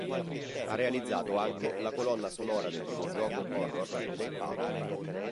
Ha realizzato anche la colonna sonora del videogioco horror "The Path".